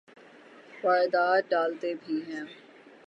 واردات ڈالتے بھی ہیں۔